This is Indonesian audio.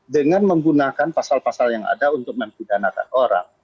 dengan menggunakan pasal pasal yang ada untuk mempidanakan orang